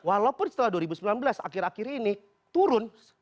walaupun setelah dua ribu sembilan belas akhir akhir ini turun